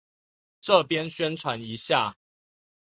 這邊宣傳一下